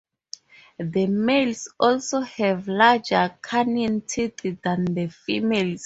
The males also have larger canine teeth than the females.